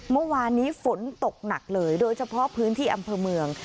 เมื่อวานนี้ฝนตกหนักเลยโดยเฉพาะพื้นที่อำเภอเมือง